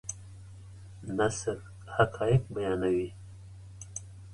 نثر حقایق بیانوي.